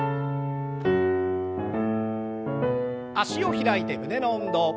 脚を開いて胸の運動。